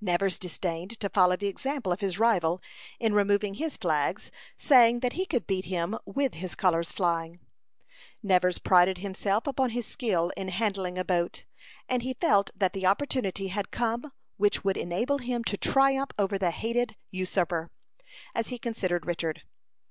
Nevers disdained to follow the example of his rival in removing his flags, saying that he could beat him with his colors flying. Nevers prided himself upon his skill in handling a boat, and he felt that the opportunity had come which would enable him to triumph over the hated usurper, as he considered Richard.